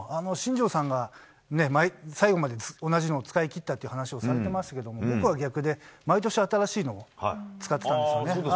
新庄さんが最後まで同じのを使い切ったという話をされていましたけど僕は逆で毎年新しいのを使ってたんですよね。